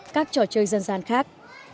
các trò chơi dân gian khác